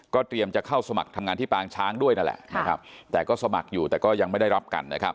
เตรียมจะเข้าสมัครทำงานที่ปางช้างด้วยนั่นแหละนะครับแต่ก็สมัครอยู่แต่ก็ยังไม่ได้รับกันนะครับ